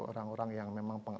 orang orang yang memang